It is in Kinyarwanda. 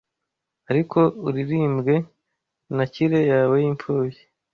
Ariko uririmbwe na kire yawe y'imfubyi